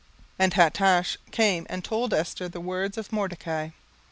17:004:009 And Hatach came and told Esther the words of Mordecai.